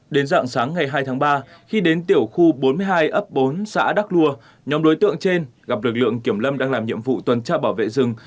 đến dạng sáng ngày hai tháng ba khi đến tiểu khu bốn mươi hai ấp bốn xã đắk lua nhóm đối tượng trên gặp lực lượng kiểm lâm đang làm nhiệm vụ tuần tra bảo vệ rừng